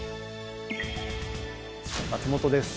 松本です。